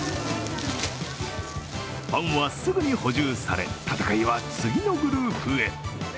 パンはすぐに補充され、戦いは次のグループへ。